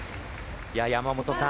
山本さん。